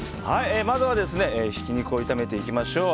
まず、ひき肉を炒めていきましょう。